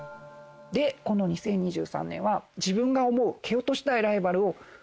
でこの２０２３年は自分が思う蹴落としたい。